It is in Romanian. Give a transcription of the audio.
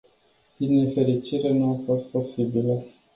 Din nefericire, nu a fost posibilă.